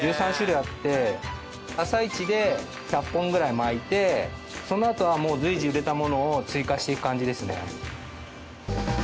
朝イチで１００本ぐらい巻いてそのあとはもう随時売れたものを追加していく感じですね。